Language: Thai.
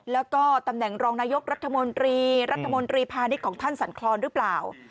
แล้วก็ตำแหน่งรองนายกรัฐมนตรีรัฐมนตรีพาณิชย์ของท่านสันคลอนหรือเปล่า